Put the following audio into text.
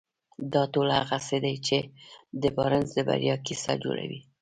دا ټول هغه څه دي چې د بارنس د بريا کيسه جوړوي.